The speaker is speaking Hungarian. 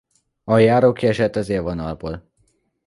A Jaro kiesett az élvonalból.